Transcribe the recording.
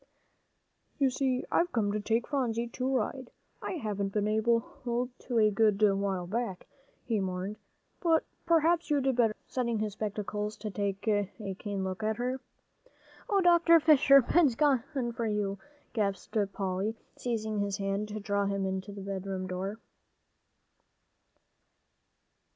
"You see, I've come to take Phronsie to ride. I haven't been able to a good while back," he mourned, "but perhaps you'd better go," setting his spectacles to take a keen look at her. "Oh, Dr. Fisher! Ben's gone for you," gasped Polly, seizing his hand, to draw him to the bedroom door.